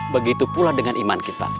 begitu pula dengan iman kita